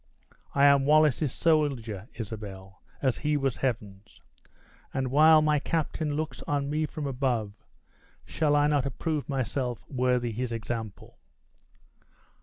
I am Wallace's soldier, Isabella, as he was Heaven's! and, while my captain looks on me from above, shall I not approve myself worthy his example?